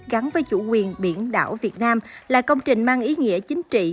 gắn với chủ quyền biển đảo việt nam là công trình mang ý nghĩa chính trị